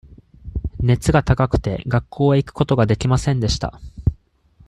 熱が高くて、学校へ行くことができませんでした。